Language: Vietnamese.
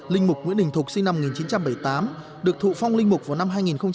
linh mục nguyễn đình thục sinh năm một nghìn chín trăm bảy mươi tám được thụ phong linh mục vào năm hai nghìn một mươi